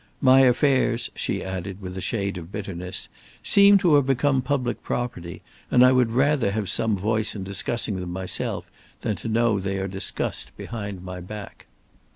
"My affairs," she added with a shade of bitterness, "seem to have become public property, and I would rather have some voice in discussing them myself than to know they are discussed behind my back."